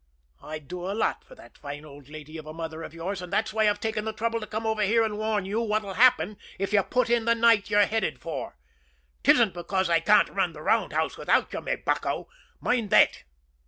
I'd do a lot for that fine old lady of a mother of yours, and that's why I've taken the trouble to come over here and warn you what'll happen if you put in the night you're heading for. 'Tisn't because I can't run the roundhouse without you, my bucko mind that!"